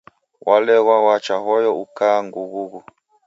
Waleghwa wacha hoyo ukuaa ngughughu.